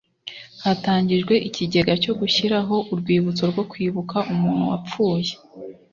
hatangijwe ikigega cyo gushyiraho urwibutso rwo kwibuka umuntu wapfuye